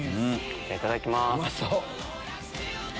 いただきます。